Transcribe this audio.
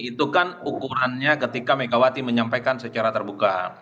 itu kan ukurannya ketika megawati menyampaikan secara terbuka